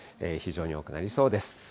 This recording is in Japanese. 非常に多くなりそうです。